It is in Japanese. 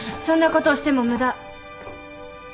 そんなことをしても無駄。